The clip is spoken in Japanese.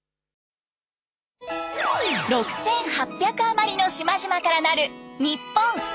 ６，８００余りの島々からなるニッポン。